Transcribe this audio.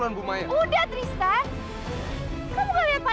kamu gak usah berhenti